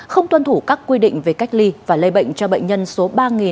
không tuân thủ các quy định về cách ly và lây bệnh cho bệnh nhân số ba một nghìn ba trăm bốn mươi bảy